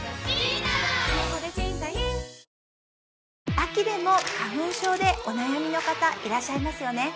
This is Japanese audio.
秋でも花粉症でお悩みの方いらっしゃいますよね